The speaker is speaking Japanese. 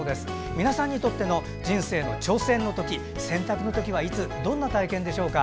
皆さんにとっての人生の挑戦の時、選択の時はいつ、どんな体験でしょうか？